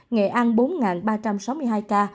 nghệ an bốn ba trăm sáu mươi hai ca